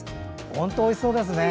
本当おいしそうですね。